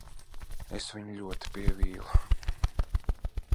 Es viņu ļoti pievīlu.